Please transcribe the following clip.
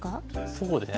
そうですね